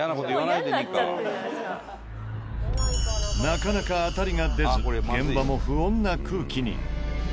なかなか当たりが出ず現場も不穏な空気に。